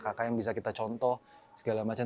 kakak yang bisa kita contoh segala macam